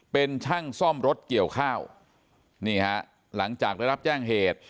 เป็นช่างซ่อมรถเกี่ยวข้าวนี่ฮะหลังจากได้รับแจ้งเหตุ